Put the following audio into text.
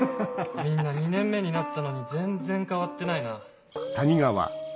みんな２年目になったのに全然変わってないな。